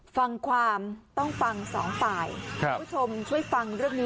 ฟังความต้องฟังสองฝ่ายคุณผู้ชมช่วยฟังเรื่องนี้